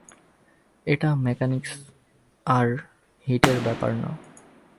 এটা মেকানিকস আর হিট এর ব্যাপার না।